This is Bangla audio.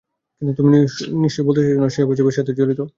কিন্তু তুমি নিশ্চয়ই বলতে চাচ্ছ না যে, সাওভ্যাজ এসবের সাথে জড়িত?